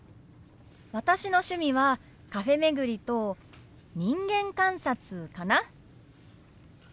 私の趣味はカフェ巡りと人間観察かな。